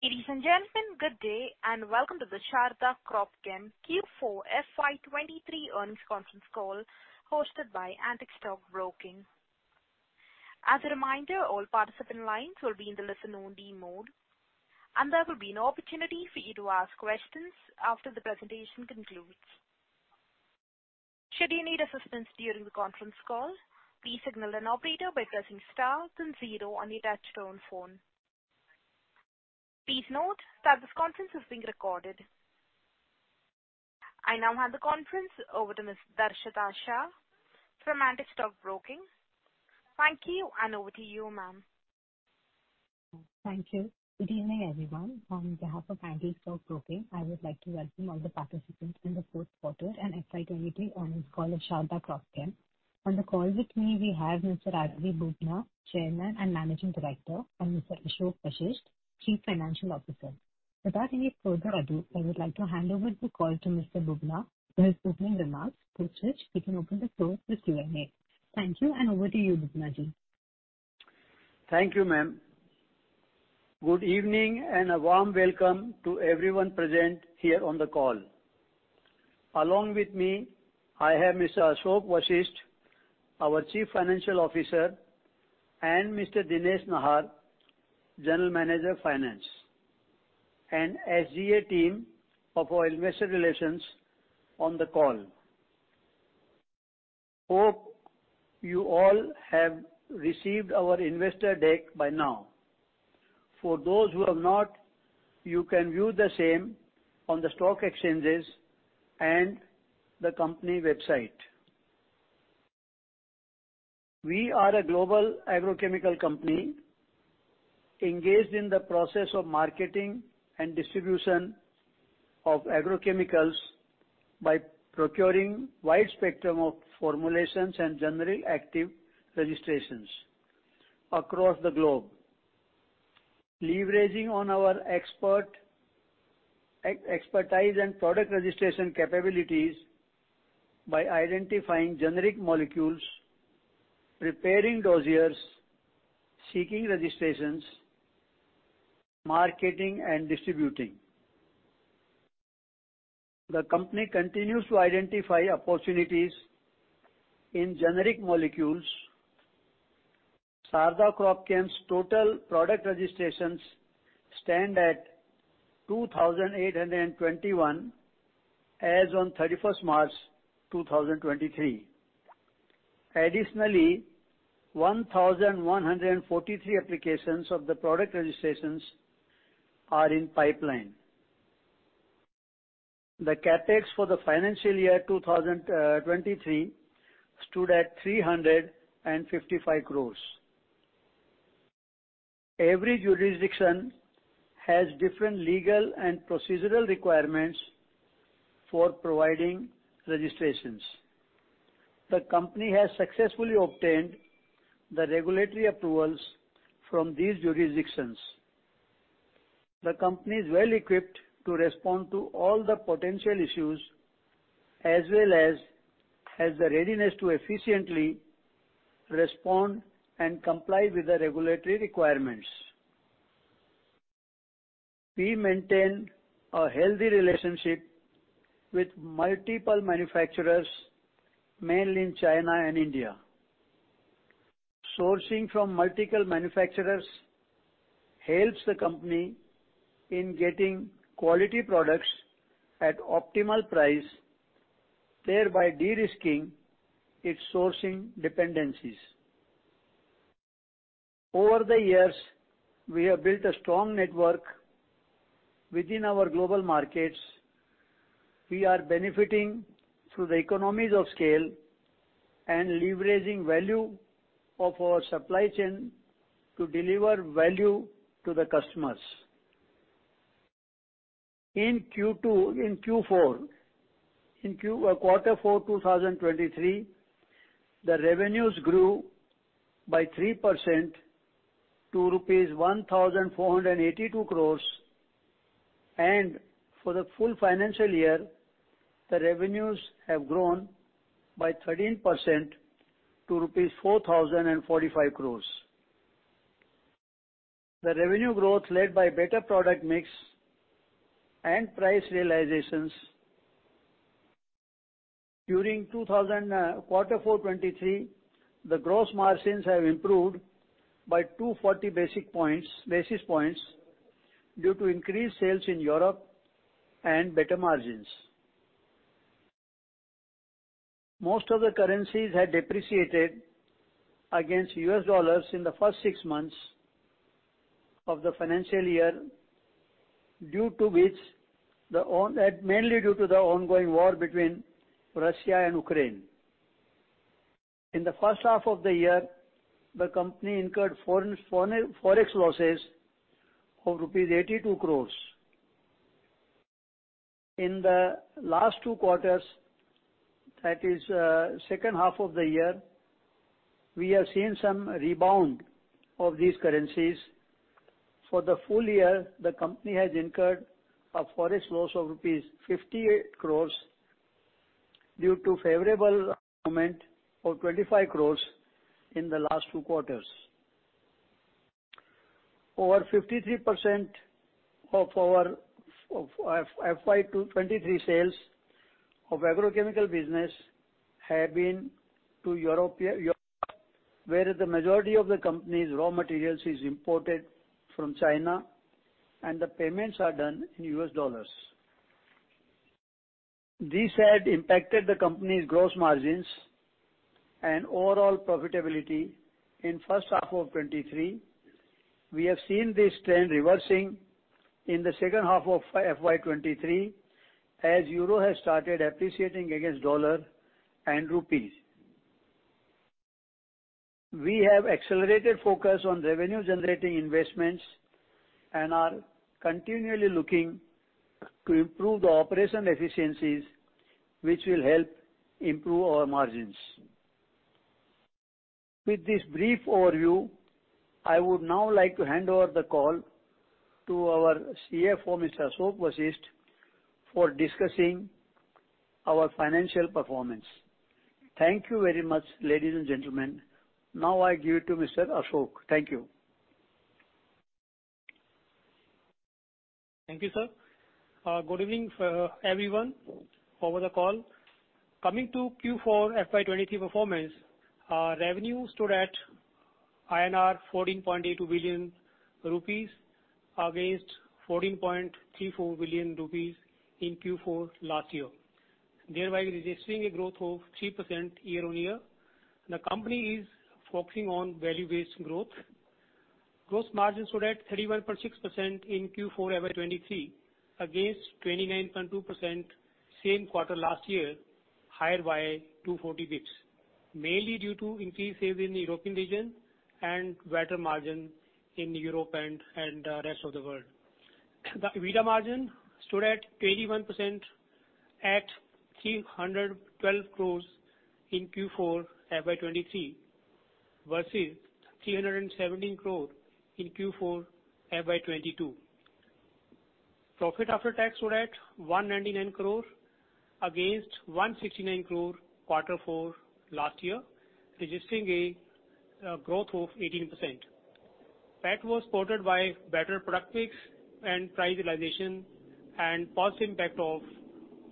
Ladies and gentlemen, good day, and welcome to the Sharda Cropchem Q4 FY 2023 Earnings Conference Call hosted by Antique Stock Broking. As a reminder, all participant lines will be in the listen only mode, and there will be an opportunity for you to ask questions after the presentation concludes. Should you need assistance during the conference call, please signal an operator by pressing star then zero on the touchtone phone. Please note that this conference is being recorded. I now hand the conference over to Ms. Darshita Shah from Antique Stock Broking. Thank you and over to you, ma'am. Thank you. Good evening, everyone. On behalf of Antique Stock Broking, I would like to welcome all the participants in the fourth quarter and FY 2023 earnings call of Sharda Cropchem. On the call with me, we have Mr. Ramprakash Bubna, Chairman and Managing Director, and Mr. Ashok Vashist, Chief Financial Officer. Without any further ado, I would like to hand over the call to Mr. Bubna for his opening remarks, after which we can open the floor to Q&A. Thank you, and over to you, Bubna. Thank you, ma'am. Good evening. A warm welcome to everyone present here on the call. Along with me, I have Mr. Ashok Vashist, our Chief Financial Officer, and Mr. Shailesh Mehendale, General Manager Finance, and SGA team of our investor relations on the call. Hope you all have received our investor deck by now. For those who have not, you can view the same on the stock exchanges and the company website. We are a global agrochemical company engaged in the process of marketing and distribution of agrochemicals by procuring wide spectrum of formulations and generic active registrations across the globe. Leveraging on our expertise and product registration capabilities by identifying generic molecules, preparing dossiers, seeking registrations, marketing and distributing. The company continues to identify opportunities in generic molecules. Sharda Cropchem's total product registrations stand at 2,821 as on 31st March 2023. Additionally, 1,143 applications of the product registrations are in pipeline. The CapEx for the financial year 2023 stood at INR 355 crores. Every jurisdiction has different legal and procedural requirements for providing registrations. The company has successfully obtained the regulatory approvals from these jurisdictions. The company is well equipped to respond to all the potential issues as well as has the readiness to efficiently respond and comply with the regulatory requirements. We maintain a healthy relationship with multiple manufacturers, mainly in China and India. Sourcing from multiple manufacturers helps the company in getting quality products at optimal price, thereby de-risking its sourcing dependencies. Over the years, we have built a strong network within our global markets. We are benefiting through the economies of scale and leveraging value of our supply chain to deliver value to the customers. In Q4, in quarter four 2023, the revenues grew by 3% to rupees 1,482 crores, and for the full financial year, the revenues have grown by 13% to rupees 4,045 crores. The revenue growth led by better product mix and price realizations. During quarter four 23, the gross margins have improved by 240 basis points due to increased sales in Europe and better margins. Most of the currencies had depreciated against US dollars in the first six months of the financial year, mainly due to the ongoing war between Russia and Ukraine. In the first half of the year, the company incurred forex losses of rupees 82 crores. In the last two quarters, that is, second half of the year, we have seen some rebound of these currencies. For the full-year, the company has incurred a forex loss of rupees 58 crores, due to favorable environment for 25 crores in the last two quarters. Over 53% of our FY 2023 sales of agrochemical business have been to Europe, where the majority of the company's raw materials is imported from China and the payments are done in USD. This had impacted the company's gross margins and overall profitability in first half of 2023. We have seen this trend reversing in the second half of FY 2023, as Euro has started appreciating against USD and INR. We have accelerated focus on revenue-generating investments and are continually looking to improve the operation efficiencies which will help improve our margins. With this brief overview, I would now like to hand over the call to our CFO, Mr. Ashok Vashist, for discussing our financial performance. Thank you very much, ladies and gentlemen. I give it to Mr. Ashok. Thank you. Thank you, sir. Good evening, everyone over the call. Coming to Q4 FY23 performance, our revenue stood at 14.82 billion rupees against 14.34 billion rupees in Q4 last year, thereby registering a growth of 3% year-on-year. The company is focusing on value-based growth. Gross margin stood at 31.6% in Q4 FY23 against 29.2% same quarter last year, higher by 240 bps, mainly due to increased sales in the European region and better margin in Europe and the rest of the world. The EBITDA margin stood at 21% at 312 crore in Q4 FY23 versus 317 crore in Q4 FY22. Profit after tax stood at 199 crore against 169 crore Quarter four last year, registering a growth of 18%. PAT was supported by better product mix and price realization and positive impact of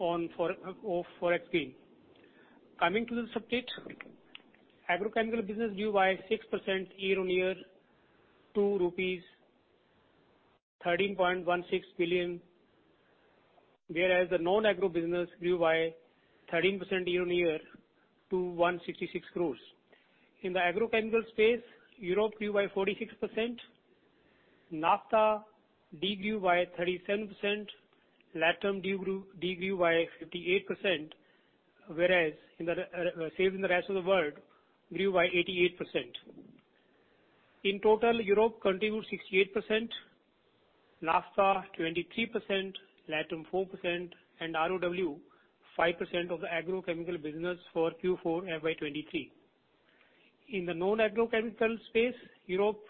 Forex gain. Coming to the split. Agrochemical business grew by 6% year-on-year to INR 13.16 billion, whereas the non-agro business grew by 13% year-on-year to 166 crore. In the agrochemical space, Europe grew by 46%, NAFTA de-grow by 37%, LATAM de-grow by 58%, whereas sales in the rest of the world grew by 88%. In total, Europe contributed 68%, NAFTA 23%, LATAM 4%, and ROW 5% of the agrochemical business for Q4 FY23. In the non-agrochemical space, Europe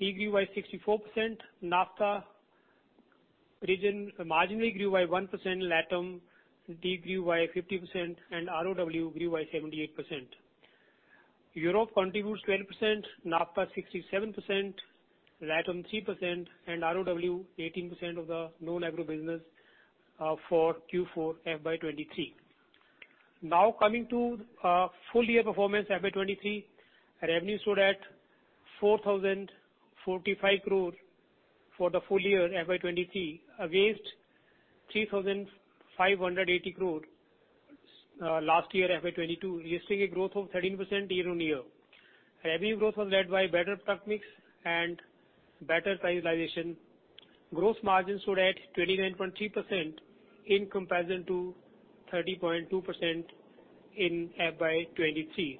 de-grow by 64%, NAFTA region marginally grew by 1%, LATAM de-grow by 50%, and ROW grew by 78%. Europe contributes 12%, NAFTA 67%, LATAM 3%, and ROW 18% of the non-agro business for Q4 FY23. Coming to full-year performance FY23. Revenue stood at 4,045 crore for the full-year FY23, against 3,580 crore last year FY22, registering a growth of 13% year-on-year. Revenue growth was led by better product mix and better price realization. Gross margin stood at 29.3% in comparison to 30.2% in FY23.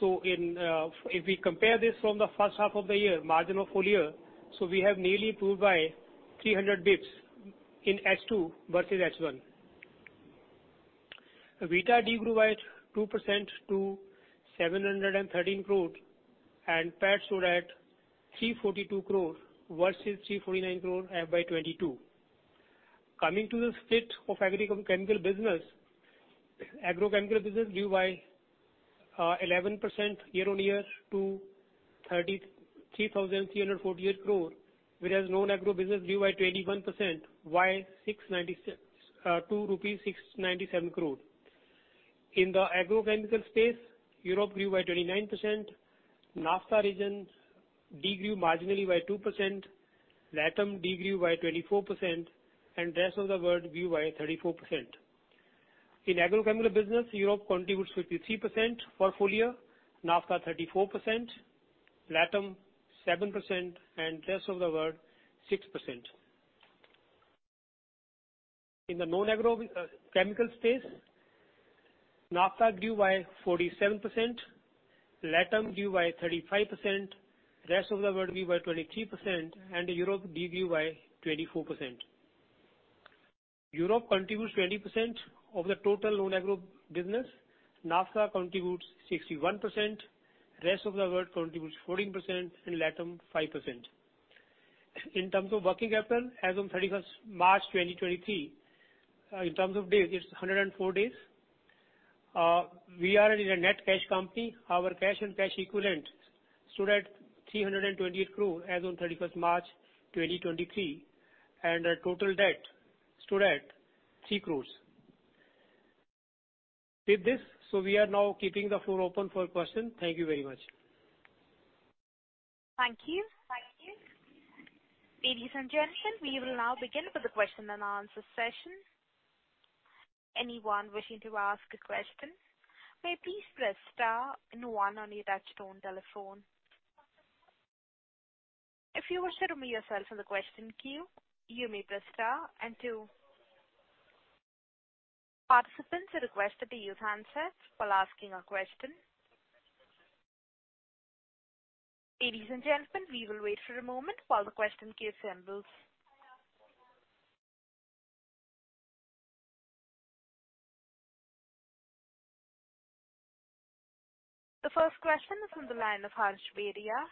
If we compare this from the first half of the year, margin of full-year, we have nearly improved by 300 bps in H2 versus H1. EBITDA de-grow by 2% to 713 crore, and PAT stood at 342 crore versus 349 crore FY 2022. Coming to the split of agrochemical business. Agrochemical business grew by 11% year-on-year to 33,348 crore, whereas non-agro business grew by 21% to 697 crore. In the agrochemical space, Europe grew by 29%, NAFTA region de-grow marginally by 2%, LATAM de-grow by 24%, and Rest of the World grew by 34%. In agrochemical business, Europe contributes 53% for full-year, NAFTA 34%, LATAM 7%, and Rest of the World 6%. In the non-agro chemical space, NAFTA grew by 47%, LATAM grew by 35%, Rest of the World grew by 23%, and Europe de-grow by 24%. Europe contributes 20% of the total non-agro business, NAFTA contributes 61%, Rest of the World contributes 14%, and LATAM 5%. In terms of working capital as of 31st March 2023, in terms of days, it's 104 days. We are a net cash company. Our cash and cash equivalent stood at 320 crore as of 31st March 2023, and our total debt stood at 3 crore. With this, we are now keeping the floor open for questions. Thank you very much. Thank you. Thank you. Ladies and gentlemen, we will now begin with the question and answer session. Anyone wishing to ask a question may please press star and one on your touchtone telephone. If you wish to remove yourself from the question queue, you may press star and two. Participants are requested to use handsets while asking a question. Ladies and gentlemen, we will wait for a moment while the question queue assembles. The first question is from the line of Harshvardhan,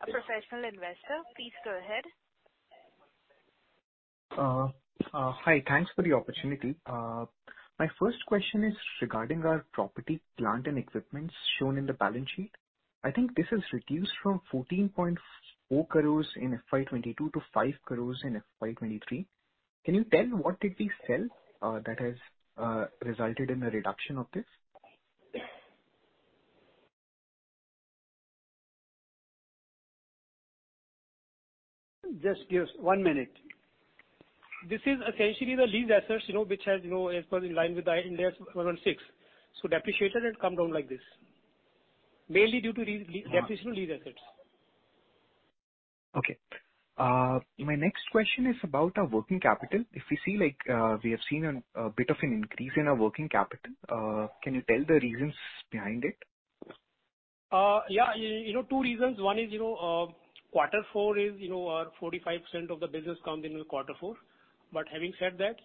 a professional investor. Please go ahead. Hi. Thanks for the opportunity. My first question is regarding our Property, Plant and Equipment shown in the balance sheet. I think this has reduced from 14.4 crores in FY 2022 to five crores in FY 2023. Can you tell what did we sell that has resulted in a reduction of this? Just give one minute. This is essentially the lease assets, you know, which has, you know, as per in line with the Ind AS 116. depreciated, it come down like this. Mainly due to depreciated lease assets. My next question is about our working capital. If you see like, we have seen a bit of an increase in our working capital. Can you tell the reasons behind it? Yeah. You know, two reasons. One is, you know, quarter four is, you know, our 45% of the business comes into quarter four. Having said that,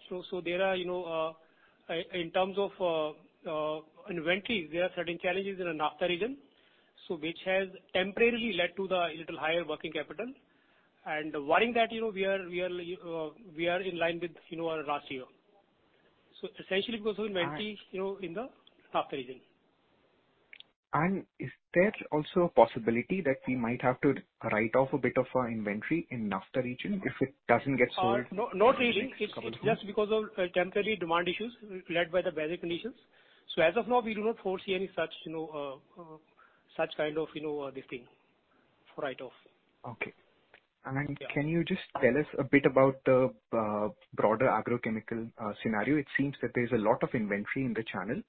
there are, you know, in terms of inventory, there are certain challenges in the NAFTA region, which has temporarily led to the little higher working capital. Barring that, you know, we are in line with, you know, our last year. Essentially because of inventory. All right. you know, in the NAFTA region. Is there also a possibility that we might have to write-off a bit of our inventory in NAFTA region if it doesn't get sold? No, not really. Covered. It's just because of temporary demand issues led by the weather conditions. As of now, we do not foresee any such, you know, such kind of, you know, this thing. Write-off. Okay. Yeah. Can you just tell us a bit about the broader agrochemical scenario? It seems that there's a lot of inventory in the channel,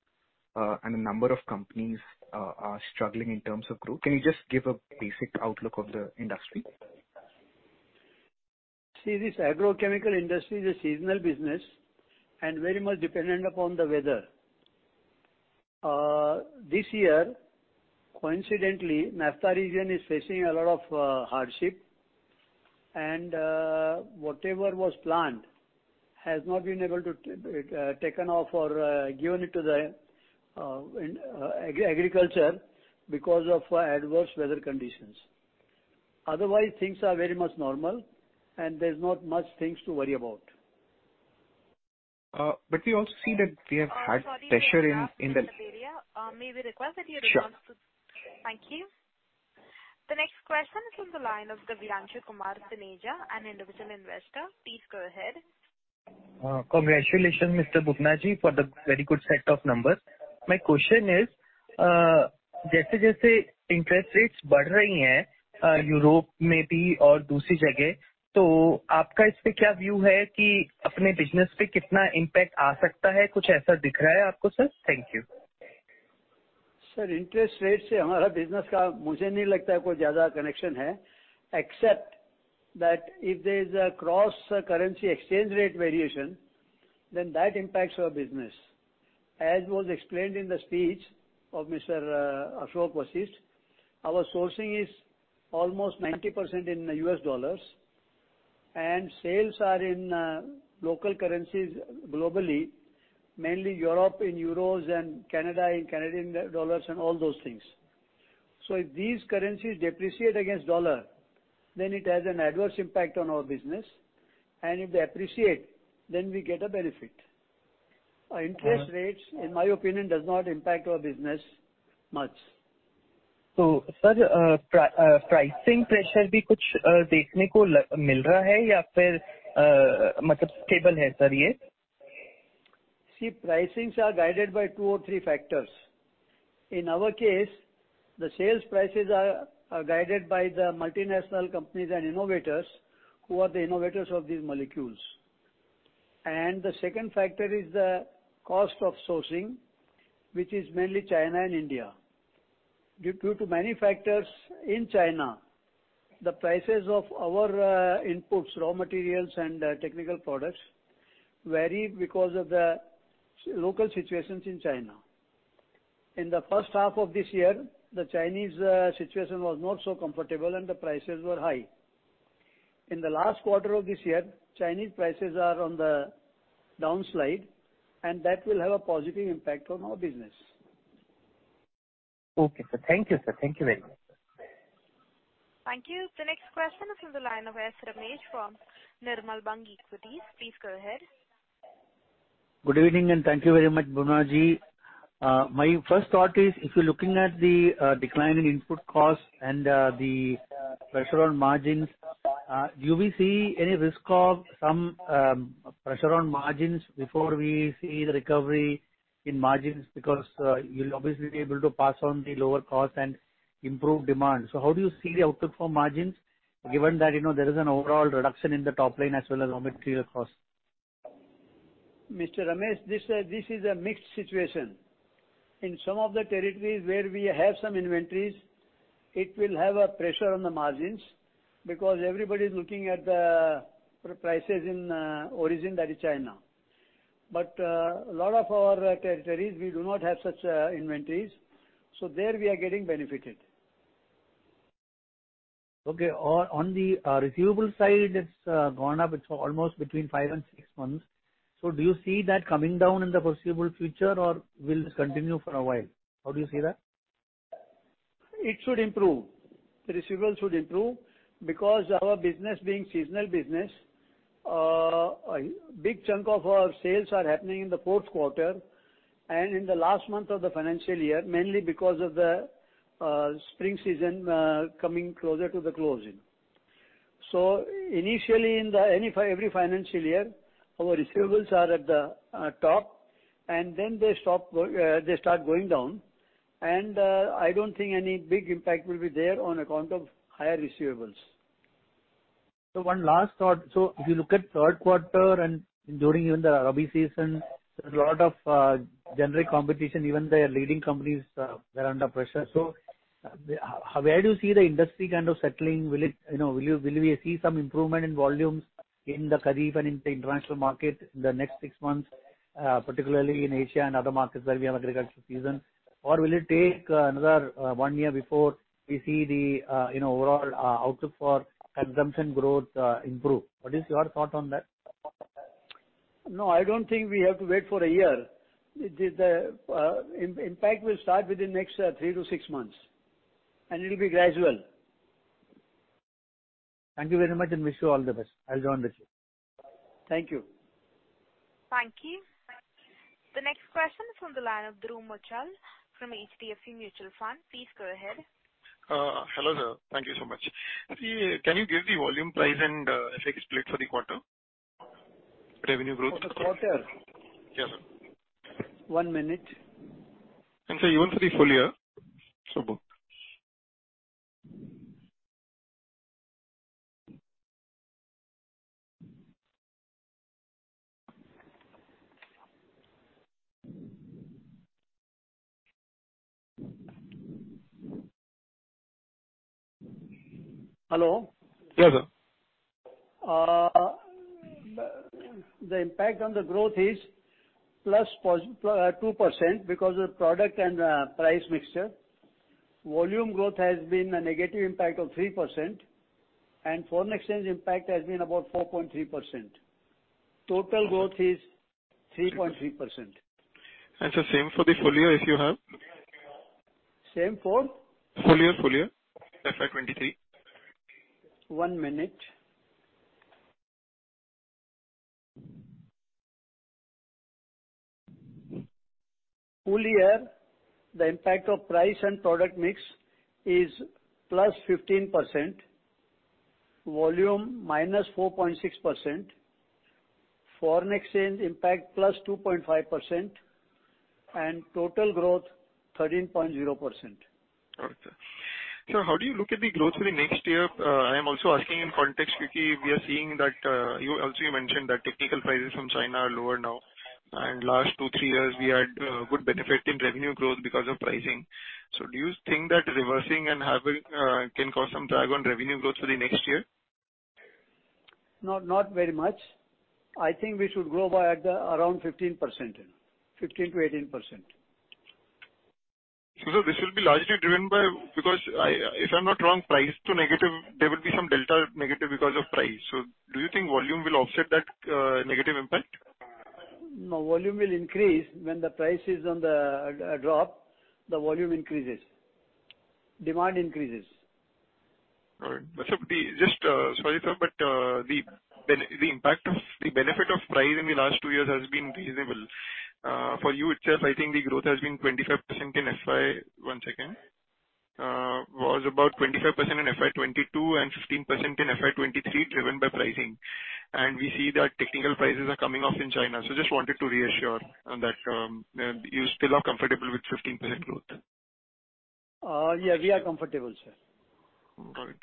and a number of companies are struggling in terms of growth. Can you just give a basic outlook of the industry? This agrochemical industry is a seasonal business and very much dependent upon the weather. This year, coincidentally, NAFTA region is facing a lot of hardship and whatever was planned has not been able to taken off or given it to the in agriculture because of adverse weather conditions. Otherwise, things are very much normal and there's not much things to worry about. We also see that we have had pressure in. Sorry to interrupt, Harshvardhan. May we request that. Sure. return to... Thank you. The next question is from the line of Priyansh Shah, an individual investor. Please go ahead. Congratulations, Mr. Bubna ji, for the very good set of numbers. My question is, Sir, interest rates. See, pricings are guided by 2 or 3 factors. In our case, the sales prices are guided by the multinational companies and innovators who are the innovators of these molecules. The second factor is the cost of sourcing, which is mainly China and India. Due to many factors in China, the prices of our inputs, raw materials and technical products varied because of the local situations in China. In the first half of this year, the Chinese situation was not so comfortable and the prices were high. In the last quarter of this year, Chinese prices are on the downslide, and that will have a positive impact on our business. Okay, sir. Thank you, sir. Thank you very much. Thank you. The next question is from the line of S Ramesh from Nirmal Bang Equities. Please go ahead. Good evening, thank you very much, Mr. Bubna. My first thought is if you're looking at the decline in input costs and the pressure on margins, do we see any risk of some pressure on margins before we see the recovery in margins? You'll obviously be able to pass on the lower cost and improve demand. How do you see the outlook for margins given that, you know, there is an overall reduction in the top line as well as raw material costs? Mr. Ramesh, this is a mixed situation. In some of the territories where we have some inventories, it will have a pressure on the margins because everybody's looking at the prices in origin that is China. A lot of our territories, we do not have such inventories, so there we are getting benefited. Okay. On the receivable side, it's gone up. It's almost between five and six months. Do you see that coming down in the foreseeable future or will this continue for a while? How do you see that? It should improve. The receivables should improve because our business being seasonal business, a big chunk of our sales are happening in the fourth quarter and in the last month of the financial year, mainly because of the spring season coming closer to the closing. Initially, every financial year, our receivables are at the top, and then they start going down and I don't think any big impact will be there on account of higher receivables. One last thought. If you look at third quarter and during even the Rabi season, there's a lot of generic competition. Even the leading companies, they're under pressure. Where do you see the industry kind of settling? Will it, you know, will you, will we see some improvement in volumes in the Kharif and in the international market in the next six months, particularly in Asia and other markets where we have agricultural season, or will it take another one year before we see the, you know, overall outlook for consumption growth improve? What is your thought on that? No, I don't think we have to wait for a year. The impact will start within next three to six months, and it'll be gradual. Thank you very much, and wish you all the best. I'll join with you. Thank you. Thank you. The next question is from the line of Dhruv Moondhra from HDFC Mutual Fund. Please go ahead. Hello, sir. Thank you so much. Can you give the volume price and split for the quarter? Revenue growth. For the quarter? Yes, sir. One minute. Sir, even for the full-year. Both. Hello. Yes, sir. The impact on the growth is plus 2% because of product and price mixture. Volume growth has been a negative impact of 3%. Foreign exchange impact has been about 4.3%. Total growth is 3.3%. Same for the full-year, if you have. Same for? Full-year, FY 23. One minute. Full-year, the impact of price and product mix is +15%, volume -4.6%, foreign exchange impact +2.5%, and total growth 13.0%. Okay. How do you look at the growth for the next year? I am also asking in context because we are seeing that you also mentioned that technical prices from China are lower now, and last two, three years we had good benefit in revenue growth because of pricing. Do you think that reversing and having can cause some drag on revenue growth for the next year? No, not very much. I think we should grow by at the around 15%. 15%-18%. This will be largely driven by. Because I, if I'm not wrong, price to negative, there will be some delta negative because of price. Do you think volume will offset that negative impact? No, volume will increase. When the price is on the drop, the volume increases. Demand increases. All right. Sir, the Just sorry, sir, but the impact of the benefit of price in the last two years has been reasonable. For you itself, I think the growth has been 25% in FY. One second. Was about 25% in FY 2022 and 15% in FY 2023, driven by pricing. We see that technical prices are coming off in China. Just wanted to reassure on that, you still are comfortable with 15% growth. Yeah, we are comfortable, sir. All right.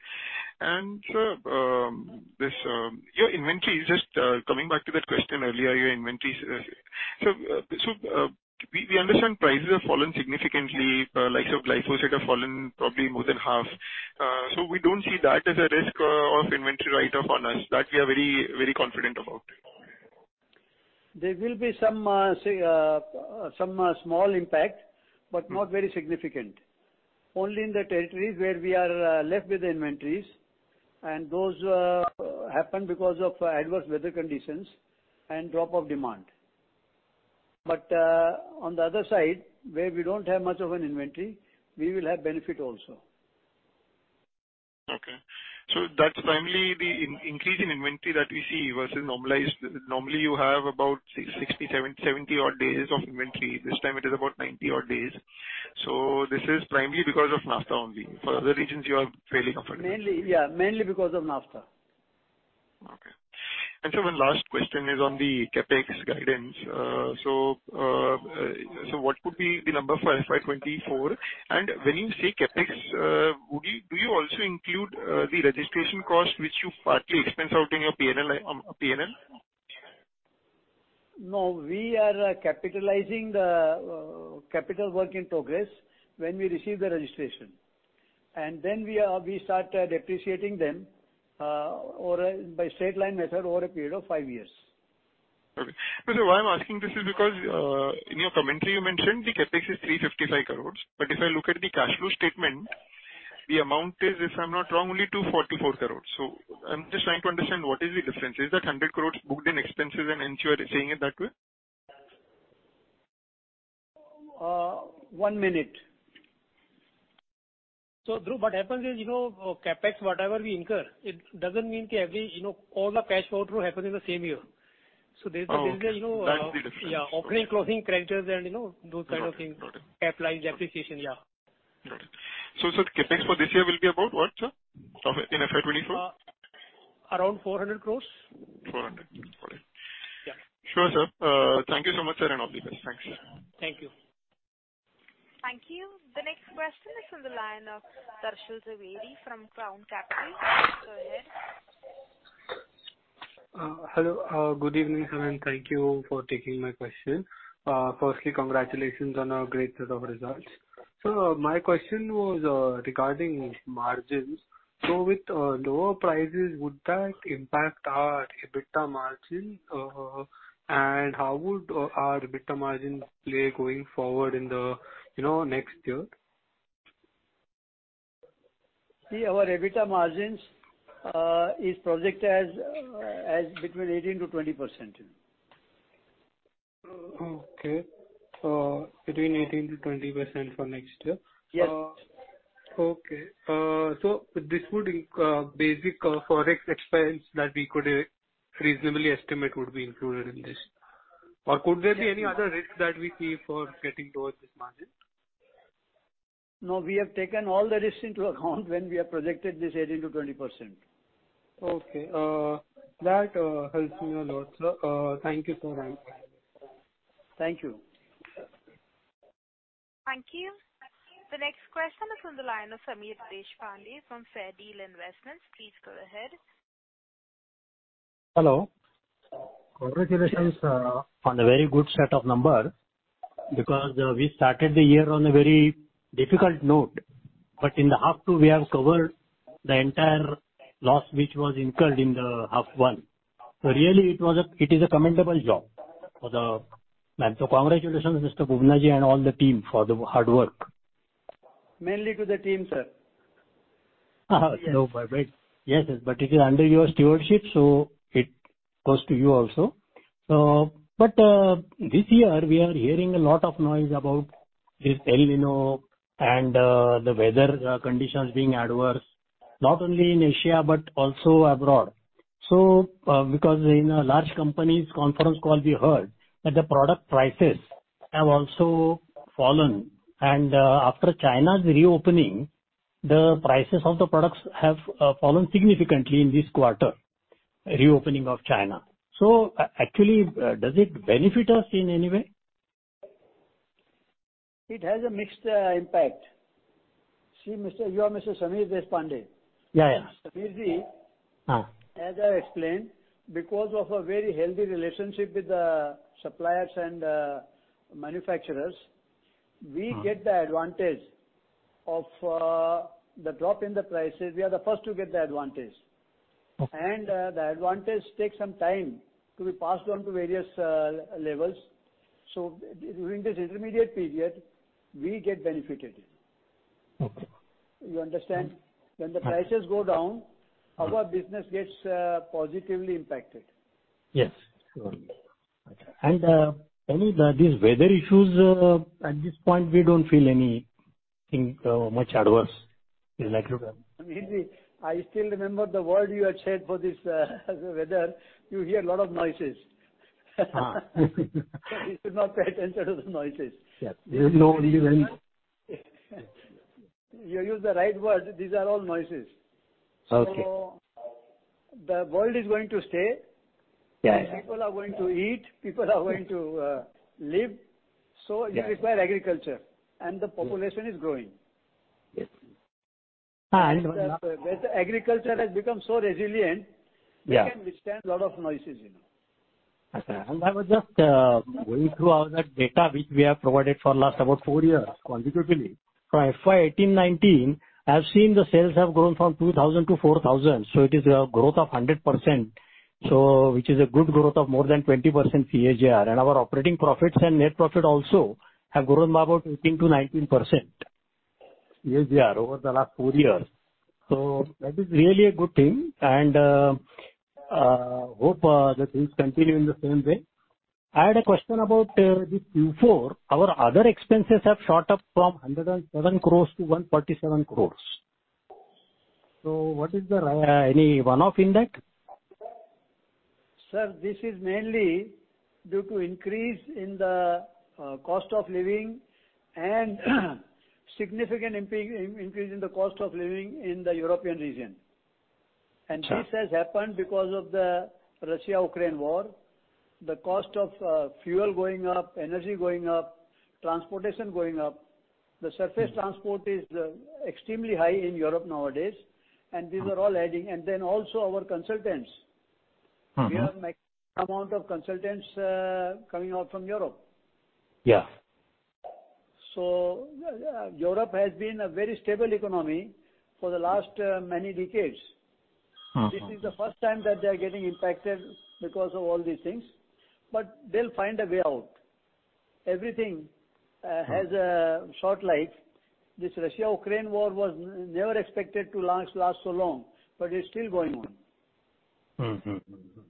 Sir, this, your inventory, just coming back to that question earlier, your inventories. We understand prices have fallen significantly. Likes of glyphosate have fallen probably more than half. We don't see that as a risk of inventory write-off on us. That we are very, very confident about. There will be some, say, some small impact, but not very significant. Only in the territories where we are left with the inventories and those happen because of adverse weather conditions and drop of demand. On the other side, where we don't have much of an inventory, we will have benefit also. Okay. That's primarily the increase in inventory that we see versus normalized. Normally, you have about 60, 70 odd days of inventory. This time it is about 90 odd days. This is primarily because of NAFTA only. For other regions, you are fairly comfortable. Mainly, yeah, mainly because of NAFTA. Okay. Sir, one last question is on the CapEx guidance. So what could be the number for FY 2024? When you say CapEx, do you also include, the registration cost which you partly expense out in your PNL? No, we are capitalizing the Capital Work in Progress when we receive the registration. We start depreciating them by straight-line method over a period of 5 years. Okay. Why I'm asking this is because, in your commentary, you mentioned the CapEx is 355 crores. If I look at the cash flow statement, the amount is, if I'm not wrong, only 244 crores. I'm just trying to understand what is the difference. Is that 100 crores booked in expenses and ensure they're saying it that way? One minute. Dhruv, what happens is, you know, CapEx, whatever we incur, it doesn't mean every, you know, all the cash outflow happens in the same year. Okay. there's, you know. That's the difference. Yeah. Opening, closing credits and, you know, those kind of things. Got it. CapEx depreciation. Yeah. Got it. sir, CapEx for this year will be about what, sir, of it in FY 2024? Around 400 crores. 400. Got it. Yeah. Sure, sir. Thank you so much, sir, and all the best. Thanks. Thank you. Thank you. The next question is from the line of Darshan Trivedi from Crown Capital. Please go ahead. Hello. Good evening, sir, and thank you for taking my question. Firstly, congratulations on a great set of results. My question was regarding margins. With, lower prices, would that impact our EBITDA margin? How would our EBITDA margin play going forward in the, you know, next year? Our EBITDA margins is projected as between 18%-20%. Okay. Between 18%-20% for next year. Yes. Okay. This would basic Forex expense that we could reasonably estimate would be included in this. Could there be any other risk that we see for getting towards this margin? No, we have taken all the risks into account when we have projected this 18-20%. Okay. That helps me a lot, sir. Thank you for that. Thank you. Thank you. The next question is from the line of Sameer Deshpande from Fair Deal Investments. Please go ahead. Hello. Congratulations, on the very good set of numbers because we started the year on a very difficult note. In the half two, we have covered the entire loss, which was incurred in the half 1. Really, it is a commendable job. Congratulations, Mr. Bubna Ji, and all the team for the hard work. Mainly to the team, sir. No, but yes, but it is under your stewardship, so it goes to you also. This year, we are hearing a lot of noise about this El Niño and the weather conditions being adverse, not only in Asia but also abroad. Because in a large company's conference call, we heard that the product prices have also fallen. After China's reopening, the prices of the products have fallen significantly in this quarter, reopening of China. Actually, does it benefit us in any way? It has a mixed impact. See, Mr., you are Mr. Sameer Deshpande. Yeah, yeah. Sameer Deshpande- Ha. As I explained, because of a very healthy relationship with the suppliers and manufacturers. Mm-hmm. We get the advantage of the drop in the prices. We are the first to get the advantage. Okay. The advantage takes some time to be passed on to various levels. During this intermediate period, we get benefited. Okay. You understand? Ha. When the prices go down. Ha. Our business gets positively impacted. Yes, sure. Only these weather issues, at this point, we don't feel anything much adverse in agriculture. Sameer Ji, I still remember the word you had said for this weather. You hear a lot of noises. Ha. You should not pay attention to the noises. Yes. There's no reason. You used the right word. These are all noises. Okay. The world is going to stay. Yeah, yeah. People are going to eat. People are going to live. Yeah. They require agriculture. Yes. The population is growing. Yes. one more- The agriculture has become so resilient. Yeah. It can withstand a lot of noises, you know. I was just going through all that data which we have provided for last about four years consecutively. From FY 2018, 2019, I've seen the sales have grown from 2,000 to 4,000, so it is a growth of 100%, so which is a good growth of more than 20% CAGR. Our operating profits and net profit also have grown by about 18%-19%. As they are over the last four years. That is really a good thing, and hope the things continue in the same way. I had a question about the Q4. Our other expenses have shot up from 107 crore to 147 crore. What is the any one-off in that? Sir, this is mainly due to increase in the cost of living and significant increase in the cost of living in the European region. Sure. This has happened because of the Russia-Ukraine war. The cost of fuel going up, energy going up, transportation going up. Mm-hmm. The surface transport is extremely high in Europe nowadays, and these are all adding. Then also our consultants. Mm-hmm. We have max amount of consultants coming out from Europe. Yeah. Europe has been a very stable economy for the last many decades. Mm-hmm. This is the first time that they are getting impacted because of all these things, but they'll find a way out. Everything has a short life. This Russia-Ukraine war was never expected to last so long, but it's still going on. Mm-hmm. Mm-hmm.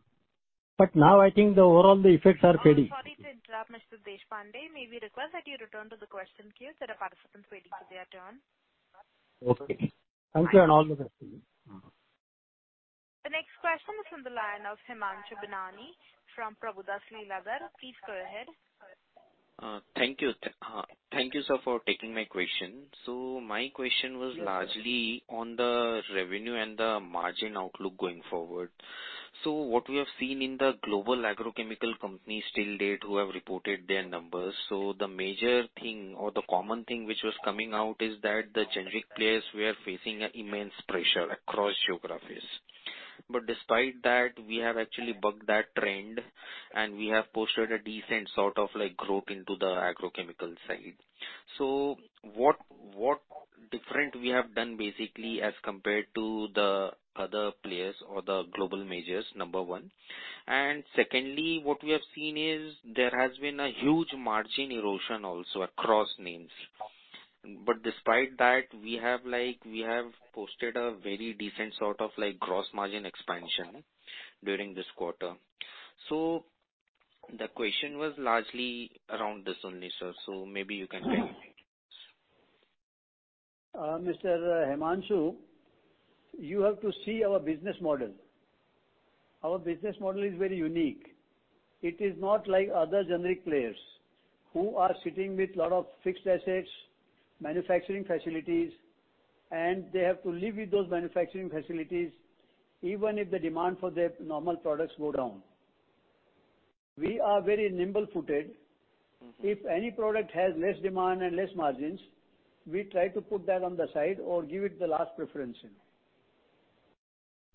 Now I think the overall the effects are fading. I'm sorry to interrupt, Mr. Deshpande. May we request that you return to the question queue? There are participants waiting for their turn. Okay. Thank you, and all the best to you. Mm-hmm. The next question is from the line of Himanshu Binani from Prabhudas Lilladher. Please go ahead. Thank you. Thank you, sir, for taking my question. My question was Yes, sir. largely on the revenue and the margin outlook going forward. What we have seen in the global agrochemical companies till date who have reported their numbers, so the major thing or the common thing which was coming out is that the generic players were facing an immense pressure across geographies. Despite that, we have actually bucked that trend, and we have posted a decent sort of, like, growth into the agrochemical side. What different we have done basically as compared to the other players or the global majors, number one. Secondly, what we have seen is there has been a huge margin erosion also across names. Despite that, we have, like, we have posted a very decent sort of, like, gross margin expansion during this quarter. The question was largely around this only, sir, so maybe you can tell. Mr. Himanshu, you have to see our business model. Our business model is very unique. It is not like other generic players who are sitting with lot of fixed assets, manufacturing facilities, and they have to live with those manufacturing facilities even if the demand for their normal products go down. We are very nimble-footed. Mm-hmm. If any product has less demand and less margins, we try to put that on the side or give it the last preference.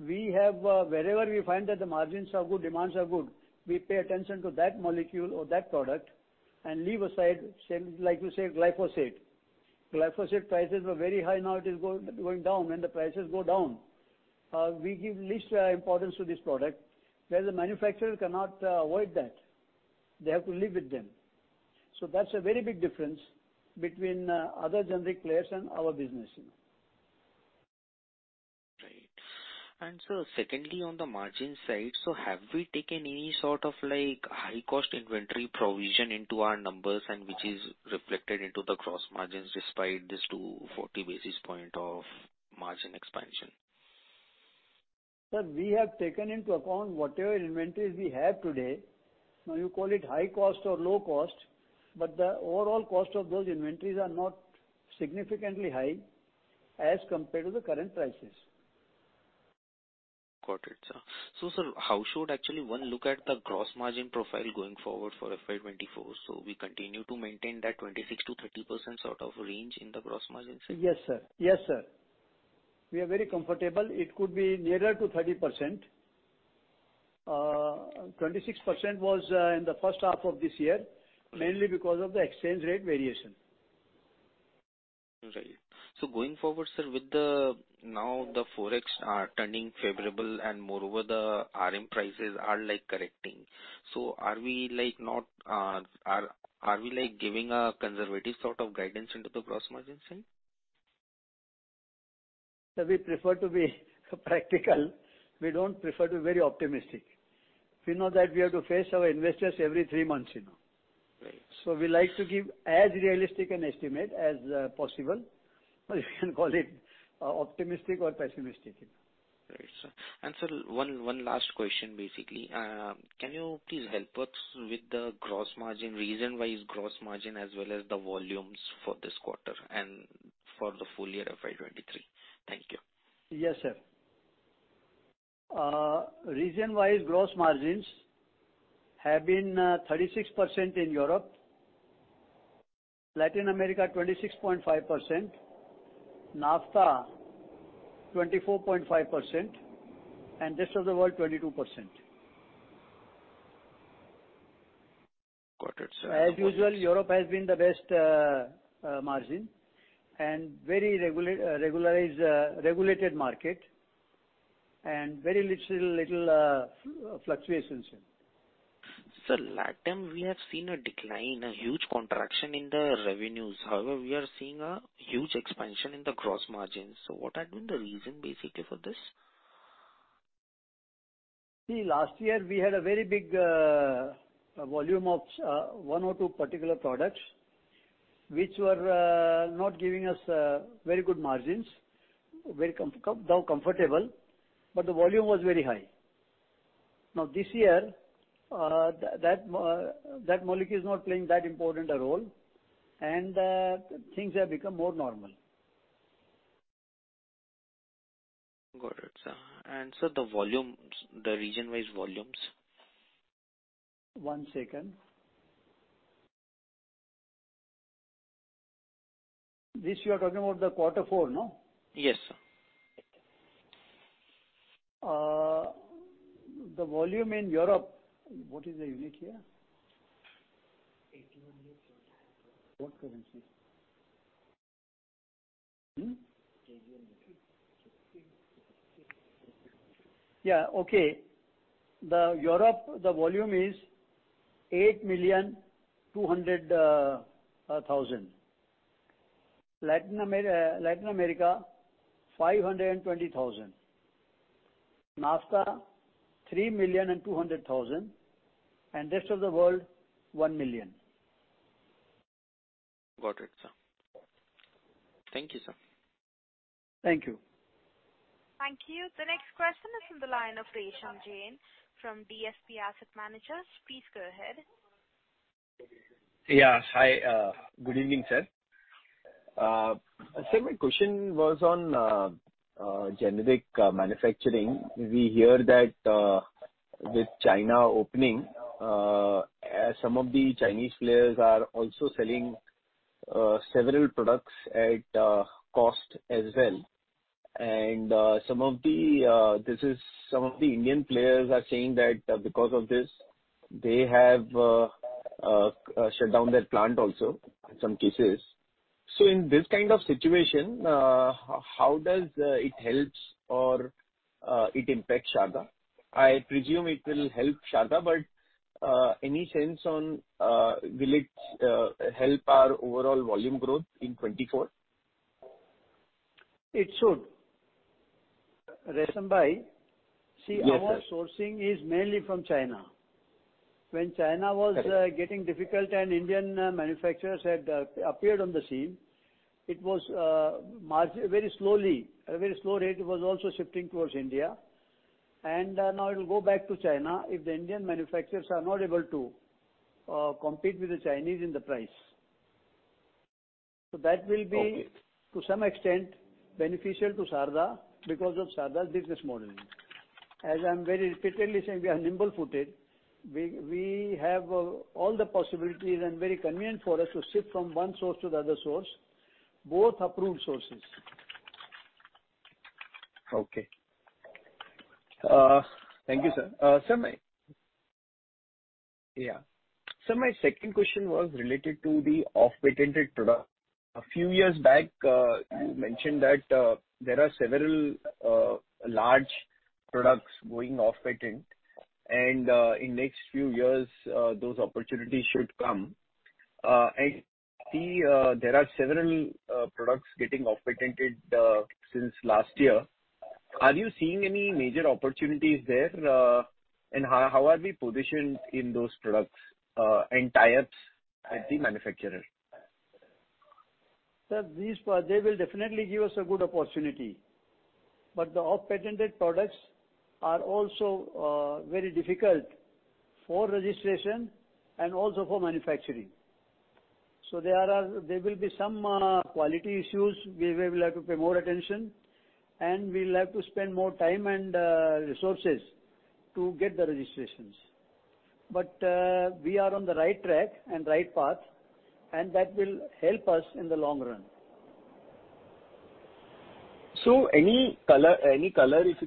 We have, wherever we find that the margins are good, demands are good, we pay attention to that molecule or that product and leave aside same, like you said, glyphosate. Glyphosate prices were very high, now it is going down. When the prices go down, we give least importance to this product. Where the manufacturer cannot avoid that, they have to live with them. That's a very big difference between other generic players and our business, you know. Right. Sir, secondly, on the margin side, have we taken any sort of like high-cost inventory provision into our numbers and which is reflected into the gross margins despite this to 40 basis points of margin expansion? Sir, we have taken into account whatever inventories we have today. You call it high cost or low cost, but the overall cost of those inventories are not significantly high as compared to the current prices. Got it, sir. Sir, how should actually one look at the gross margin profile going forward for FY 2024? We continue to maintain that 26%-30% sort of range in the gross margin side? Yes, sir. Yes, sir. We are very comfortable. It could be nearer to 30%. 26% was in the first half of this year. Right. mainly because of the exchange rate variation. Right. Going forward, sir, with the, now the Forex are turning favorable and moreover the RM prices are, like, correcting. Are we, like, giving a conservative sort of guidance into the gross margin side? Sir, we prefer to be practical. We don't prefer to be very optimistic. We know that we have to face our investors every three months, you know. Right. We like to give as realistic an estimate as possible. You can call it optimistic or pessimistic. Right, sir. Sir, one last question, basically. Can you please help us with the gross margin reason why is gross margin as well as the volumes for this quarter and for the full-year FY23? Thank you. Yes, sir. Region-wise gross margins have been, 36% in Europe, Latin America 26.5%, NAFTA 24.5%, and rest of the world 22%. Got it, sir. As usual, Europe has been the best margin and very regularized, regulated market and very little fluctuations. Sir, LATAM, we have seen a decline, a huge contraction in the revenues. However, we are seeing a huge expansion in the gross margins. What had been the reason basically for this? Last year we had a very big volume of one or two particular products which were not giving us very good margins. Very comfortable, but the volume was very high. This year, that molecule is not playing that important a role and things have become more normal. Got it, sir. Sir, the volumes, the region-wise volumes. One second. This you are talking about the quarter four, no? Yes, sir. The volume in Europe. What is the unit here? INR 81 million. What currency? Hmm? INR 81 million. INR 1,560. Yeah. Okay. The Europe, the volume is 8,200,000. Latin America, 520,000. NAFTA, 3,200,000. Rest of the world, 1,000,000. Got it, sir. Thank you, sir. Thank you. Thank you. The next question is from the line of Resham Jain from DSP Mutual Fund. Please go ahead. Yeah. Hi. Good evening, sir. My question was on generic manufacturing. We hear that with China opening, some of the Chinese players are also selling several products at cost as well. Some of the Indian players are saying that because of this, they have shut down their plant also in some cases. In this kind of situation, how does it helps or it impacts Sharda? I presume it will help Sharda, but any sense on will it help our overall volume growth in 2024? It should. Resham bhai- Yes, sir. See, our sourcing is mainly from China. Correct. getting difficult and Indian manufacturers had appeared on the scene, it was very slowly, at a very slow rate, it was also shifting towards India. Now it will go back to China if the Indian manufacturers are not able to compete with the Chinese in the price. Okay. That will be, to some extent, beneficial to Sharda because of Sharda's business model. As I'm very repeatedly saying, we are nimble-footed. We have all the possibilities and very convenient for us to shift from one source to the other source, both approved sources. Okay. Thank you, sir. Sir, my second question was related to the off-patented product. A few years back, you mentioned that there are several large products going off patent and in next few years, those opportunities should come. I see there are several products getting off-patented since last year. Are you seeing any major opportunities there? How are we positioned in those products and tires at the manufacturer? Sir, they will definitely give us a good opportunity. The off-patented products are also very difficult for registration and also for manufacturing. There will be some quality issues. We will have to pay more attention, and we'll have to spend more time and resources to get the registrations. We are on the right track and right path, and that will help us in the long run.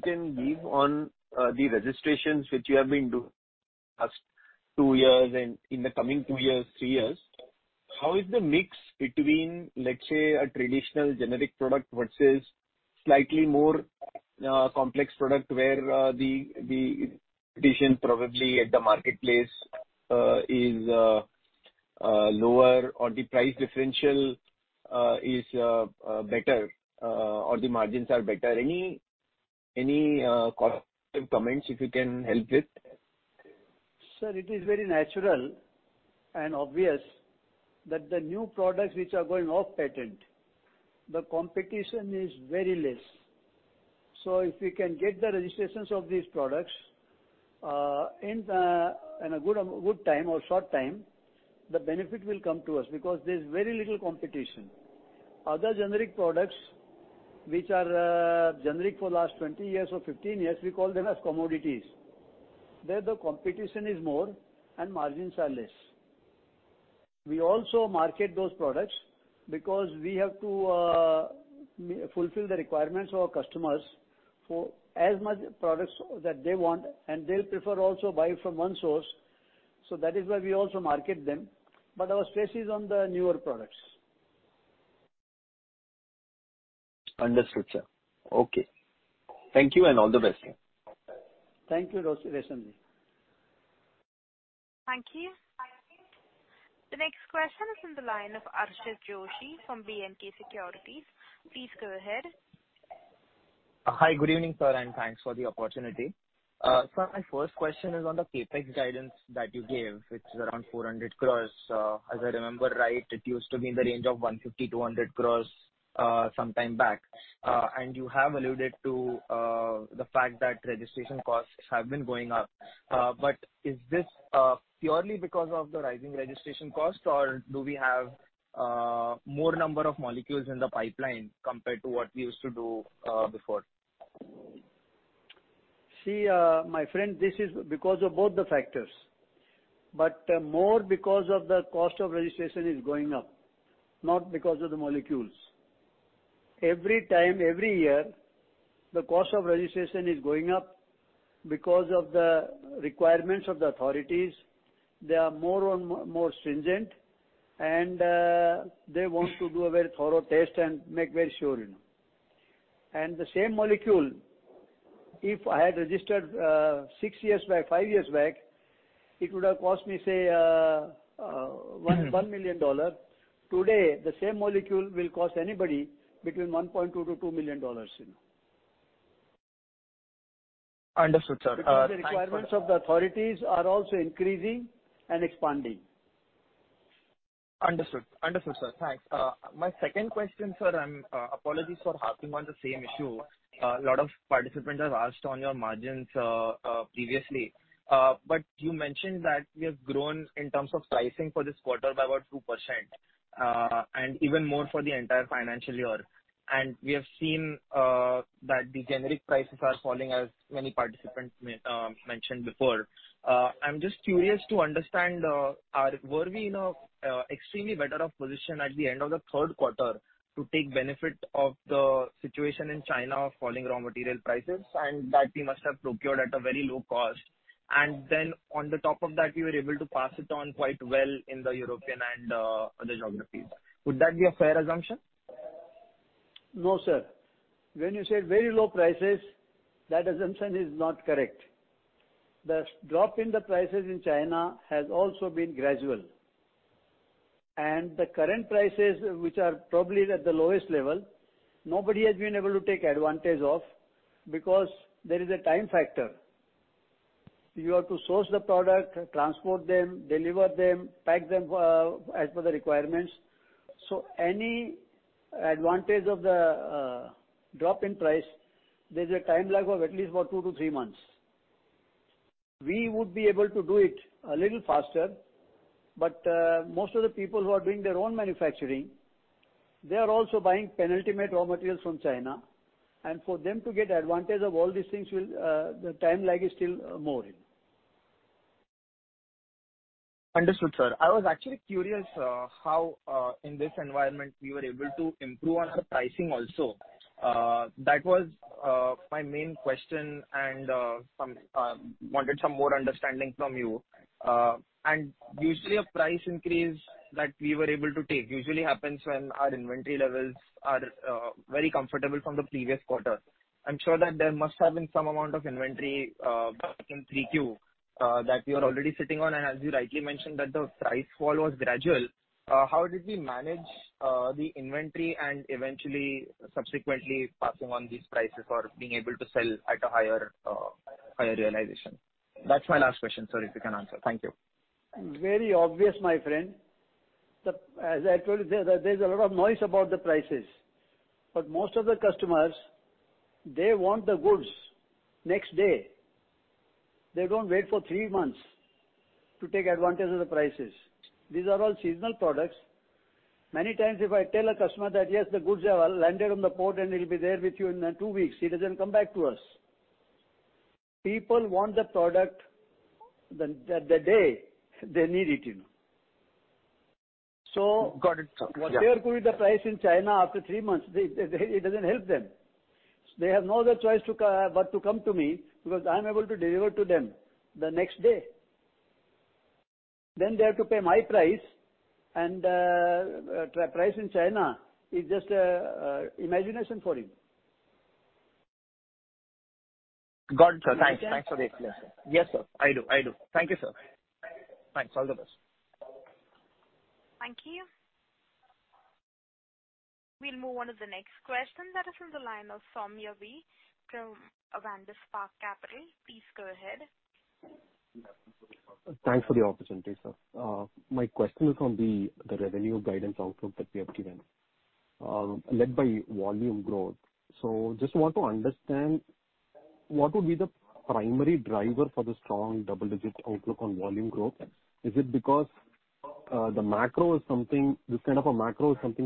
can give on the registrations which you have been doing last 2 years and in the coming 2-3 years. How is the mix between, let's say, a traditional generic product versus slightly more complex product where the competition probably at the marketplace is lower or the price differential is better or the margins are better? Any comments if you can help with? Sir, it is very natural and obvious that the new products which are going off patent, the competition is very less. If we can get the registrations of these products in a good time or short time, the benefit will come to us because there's very little competition. Other generic products which are generic for last 20 years or 15 years, we call them as commodities. There the competition is more and margins are less. We also market those products because we have to fulfill the requirements of our customers for as much products that they want, and they'll prefer also buy from one source, that is why we also market them. Our stress is on the newer products. Understood, sir. Okay. Thank you, and all the best. Thank you, Roshanji. Thank you. The next question is in the line of Anshid Joshi from BNK Securities. Please go ahead. Hi. Good evening, sir. Thanks for the opportunity. Sir, my first question is on the CapEx guidance that you gave, which is around 400 crores. As I remember right, it used to be in the range of 150-200 crores sometime back. You have alluded to the fact that registration costs have been going up. Is this purely because of the rising registration cost or do we have more number of molecules in the pipeline compared to what we used to do before? See, my friend, this is because of both the factors, but more because of the cost of registration is going up, not because of the molecules. Every time, every year, the cost of registration is going up because of the requirements of the authorities. They are more and more stringent and they want to do a very thorough test and make very sure, you know. The same molecule, if I had registered, six years back, five years back, it would have cost me, say, $1 million. Today, the same molecule will cost anybody between $1.2 million-$2 million, you know. Understood, sir. Thanks for that. The requirements of the authorities are also increasing and expanding. Understood. Understood, sir. Thanks. My second question, sir, I'm, apologies for harping on the same issue, a lot of participants have asked on your margins, previously. But you mentioned that you have grown in terms of pricing for this quarter by about 2%, and even more for the entire financial year. We have seen, that the generic prices are falling as many participants mentioned before. I'm just curious to understand, were we in a, extremely better off position at the end of the third quarter to take benefit of the situation in China of falling raw material prices, that we must have procured at a very low cost. Then on the top of that, we were able to pass it on quite well in the European and, other geographies. Would that be a fair assumption? No, sir. When you say very low prices, that assumption is not correct. The drop in the prices in China has also been gradual. The current prices, which are probably at the lowest level, nobody has been able to take advantage of because there is a time factor. You have to source the product, transport them, deliver them, pack them as per the requirements. Any advantage of the drop in price, there's a time lag of at least about two to three months. We would be able to do it a little faster, but most of the people who are doing their own manufacturing, they are also buying penultimate raw materials from China. For them to get advantage of all these things will the time lag is still more in. Understood, sir. I was actually curious, how in this environment you were able to improve on the pricing also. That was my main question and some wanted some more understanding from you. Usually a price increase that we were able to take usually happens when our inventory levels are very comfortable from the previous quarter. I'm sure that there must have been some amount of inventory back in 3Q that you're already sitting on. As you rightly mentioned, that the price fall was gradual. How did we manage the inventory and eventually subsequently passing on these prices or being able to sell at a higher realization? That's my last question. Sorry, if you can answer. Thank you. Very obvious, my friend. As I told you, there's a lot of noise about the prices, most of the customers, they want the goods next day. They don't wait for three months to take advantage of the prices. These are all seasonal products. Many times if I tell a customer that, "Yes, the goods have landed on the port and it'll be there with you in two weeks," he doesn't come back to us. People want the product the day they need it, you know. Got it, sir. Yeah. What they are going with the price in China after three months, they, it doesn't help them. They have no other choice but to come to me because I'm able to deliver to them the next day. They have to pay my price and, price in China is just imagination for him. Got it, sir. Thanks. Thanks for the explanation. Yes, sir. I do. I do. Thank you, sir. Thanks. All the best. Thank you. We'll move on to the next question. That is on the line of Saumya Vohra from Avendus Spark Capital. Please go ahead. Thanks for the opportunity, sir. My question is on the revenue guidance outlook that we have given, led by volume growth. Just want to understand what would be the primary driver for the strong double-digit outlook on volume growth. Is it because this kind of a macro is something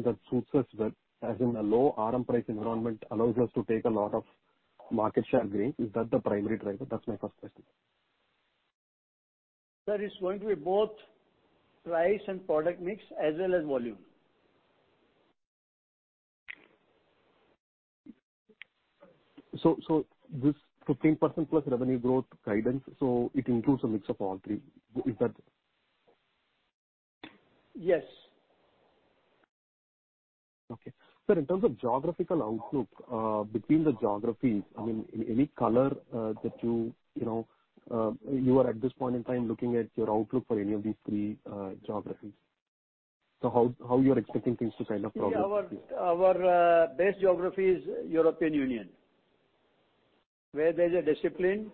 that suits us with, as in a low RM price environment allows us to take a lot of market share gain. Is that the primary driver? That's my first question. That is going to be both price and product mix as well as volume. This 15% plus revenue growth guidance, it includes a mix of all three? Yes. Okay. Sir, in terms of geographical outlook, between the geographies, I mean, any color that you know, you are at this point in time looking at your outlook for any of these three geographies? How you're expecting things to kind of progress? Yeah. Our, our best geography is European Union, where there's a discipline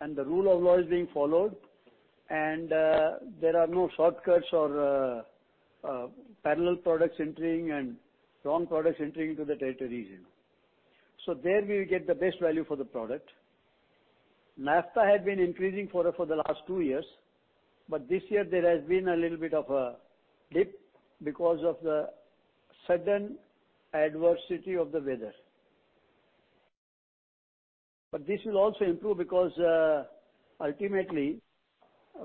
and the rule of law is being followed and there are no shortcuts or parallel products entering and wrong products entering into the territory region. There we get the best value for the product. NAFTA had been increasing for the last two years. This year there has been a little bit of a dip because of the sudden adversity of the weather. This will also improve because ultimately,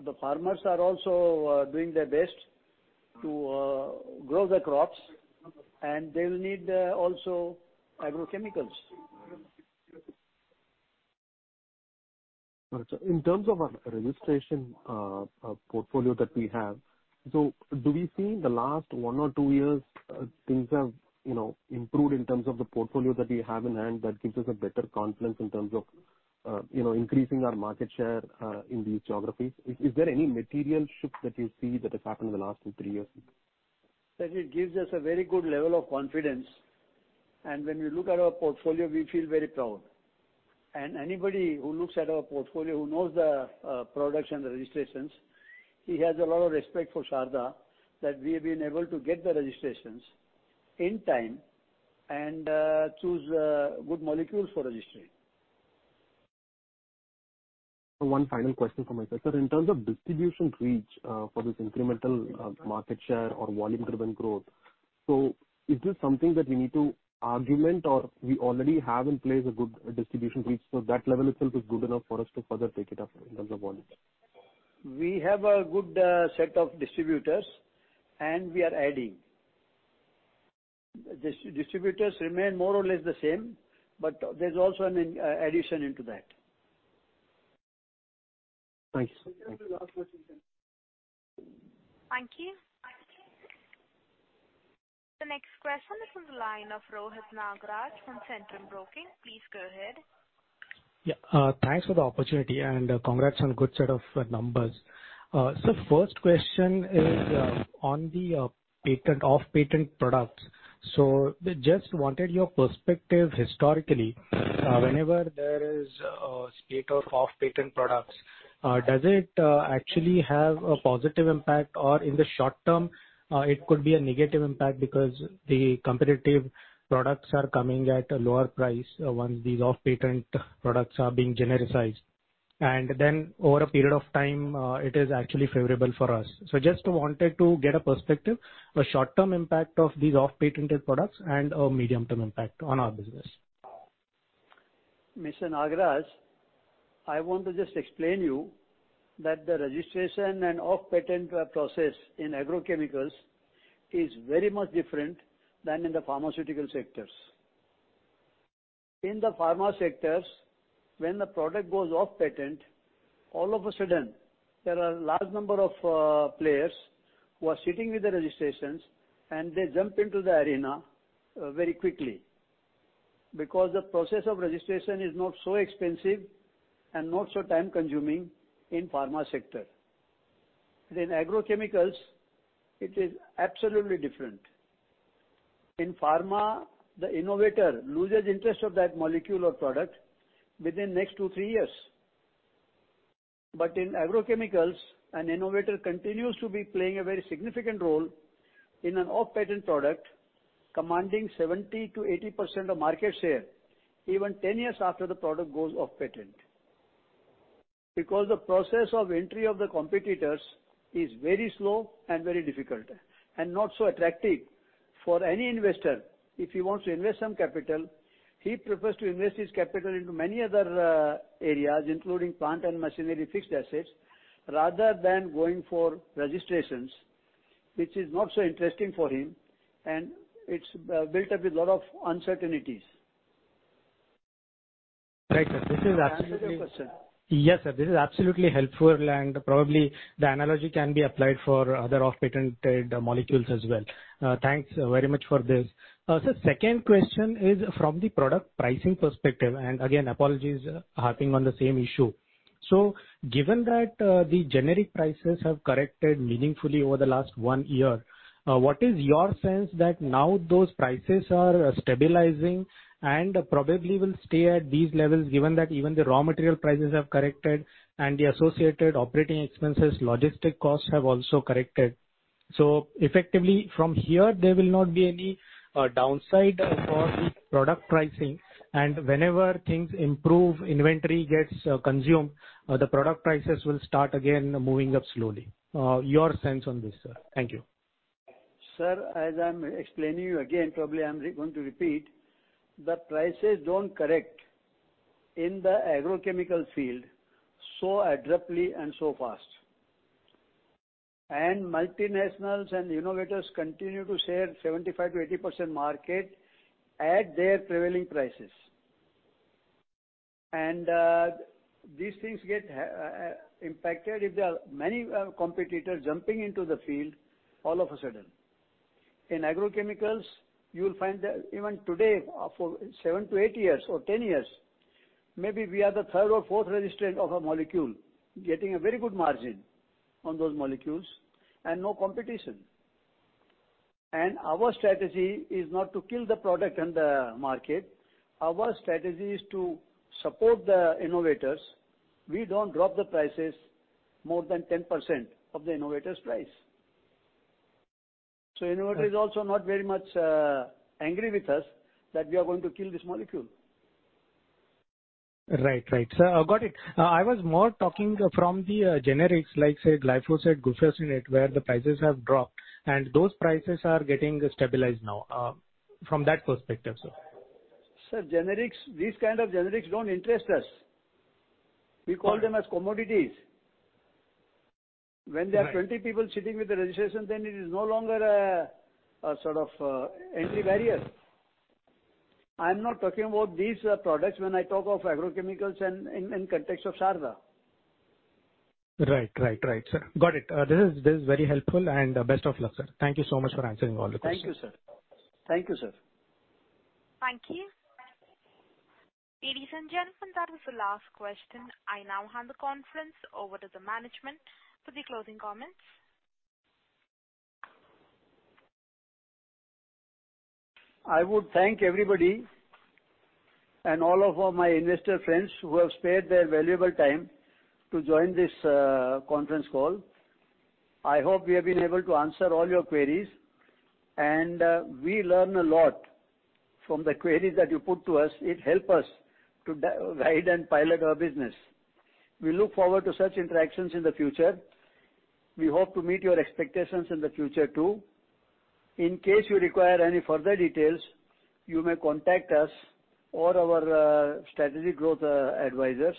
the farmers are also doing their best to grow their crops, and they will need also agrochemicals. Got you. In terms of our registration portfolio that we have, do we see in the last one or two years, things have, you know, improved in terms of the portfolio that we have in hand that gives us a better confidence in terms of, you know, increasing our market share in these geographies? Is there any material shift that you see that has happened in the last two, three years? That it gives us a very good level of confidence, and when we look at our portfolio, we feel very proud. Anybody who looks at our portfolio, who knows the products and the registrations, he has a lot of respect for Sharda, that we have been able to get the registrations in time and choose good molecules for registering. One final question from my side. Sir, in terms of distribution reach, for this incremental, market share or volume-driven growth, is this something that we need to augment or we already have in place a good distribution reach, so that level itself is good enough for us to further take it up in terms of volume? We have a good set of distributors and we are adding. Distributors remain more or less the same, there's also an addition into that. Thanks. Thank you. Thank you. The next question is from the line of Rohit Nagraj from Centrum Broking. Please go ahead. Yeah. Thanks for the opportunity and congrats on good set of numbers. First question is on the patent, off-patent products. Just wanted your perspective historically. Whenever there is a spate of off-patent products, does it actually have a positive impact or in the short term, it could be a negative impact because the competitive products are coming at a lower price once these off-patent products are being genericized? Over a period of time, it is actually favorable for us. Just wanted to get a perspective, a short-term impact of these off-patent products and a medium-term impact on our business? Mr. Nagraj, I want to just explain you that the registration and off-patent process in agrochemicals is very much different than in the pharmaceutical sectors. In the pharma sectors, when the product goes off-patent, all of a sudden, there are large number of players who are sitting with the registrations and they jump into the arena very quickly because the process of registration is not so expensive and not so time consuming in pharma sector. In agrochemicals it is absolutely different. In pharma, the innovator loses interest of that molecule or product within next two, three years. But in agrochemicals, an innovator continues to be playing a very significant role in an off-patent product, commanding 70%-80% of market share, even 10 years after the product goes off-patent. Because the process of entry of the competitors is very slow and very difficult and not so attractive for any investor. If he wants to invest some capital, he prefers to invest his capital into many other areas, including plant and machinery fixed assets, rather than going for registrations, which is not so interesting for him, and it's built up with a lot of uncertainties. Right, sir. This is absolutely. I answer your question? Yes, sir. This is absolutely helpful and probably the analogy can be applied for other off-patented molecules as well. Thanks very much for this. Sir, second question is from the product pricing perspective. Again, apologies harping on the same issue. Given that, the generic prices have corrected meaningfully over the last one year, what is your sense that now those prices are stabilizing and probably will stay at these levels given that even the raw material prices have corrected and the associated operating expenses, logistic costs have also corrected? Effectively from here, there will not be any downside for the product pricing and whenever things improve, inventory gets consumed, the product prices will start again moving up slowly. Your sense on this, sir? Thank you. Sir, as I'm explaining you again, probably I'm going to repeat. The prices don't correct in the agrochemical field so abruptly and so fast. Multinationals and innovators continue to share 75%-80% market at their prevailing prices. These things get impacted if there are many competitors jumping into the field all of a sudden. In agrochemicals, you will find that even today, for 7-8 years or 10 years, maybe we are the third or fourth registrant of a molecule, getting a very good margin on those molecules and no competition. Our strategy is not to kill the product and the market. Our strategy is to support the innovators. We don't drop the prices more than 10% of the innovator's price. Innovators also not very much angry with us that we are going to kill this molecule. Right. Right. Got it. I was more talking from the generics, like, say, glyphosate, glufosinate, where the prices have dropped and those prices are getting stabilized now, from that perspective, sir. Sir, generics, these kind of generics don't interest us. We call them as commodities. Right. When there are 20 people sitting with the registration, then it is no longer a sort of entry barrier. I'm not talking about these products when I talk of agrochemicals in context of Sharda. Right. Right. Right, sir. Got it. This is very helpful and best of luck, sir. Thank you so much for answering all the questions. Thank you, sir. Thank you, sir. Thank you. Ladies and gentlemen, that was the last question. I now hand the conference over to the management for the closing comments. I would thank everybody and all of our, my investor friends who have spared their valuable time to join this conference call. I hope we have been able to answer all your queries, and we learn a lot from the queries that you put to us. It help us to guide and pilot our business. We look forward to such interactions in the future. We hope to meet your expectations in the future, too. In case you require any further details, you may contact us or our strategic growth advisors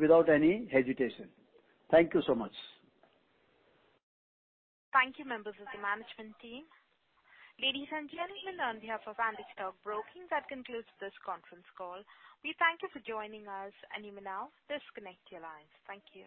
without any hesitation. Thank you so much. Thank you, members of the management team. Ladies and gentlemen, on behalf of Angel Stock Broking, that concludes this conference call. We thank you for joining us, and you may now disconnect your lines. Thank you.